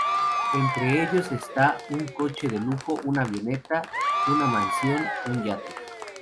Entre ellos está un coche de lujo, una avioneta, una mansión, un yate.